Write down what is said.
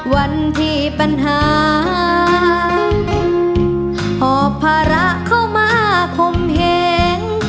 วันที่ปัญหาหอบภาระเข้ามาคมเหง